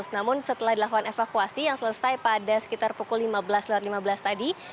namun setelah dilakukan evakuasi yang selesai pada sekitar pukul lima belas lewat lima belas tadi